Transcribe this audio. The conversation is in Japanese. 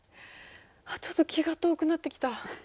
ちょっと気が遠くなってきた。